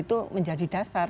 itu menjadi dasar